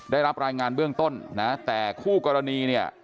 ได้รับรายงานเบื้องต้นนะแต่คู่กรณีเนี่ย